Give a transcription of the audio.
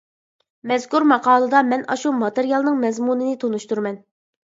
مەزكۇر ماقالىدا مەن ئاشۇ ماتېرىيالنىڭ مەزمۇنىنى تونۇشتۇرىمەن.